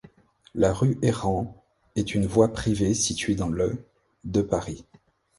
La rue Herran est une voie privée située dans le de Paris.